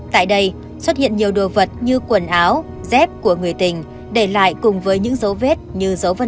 tại đây xuất hiện nhiều đồ vật như quần áo dép của người tình để lại tìm ra manh mối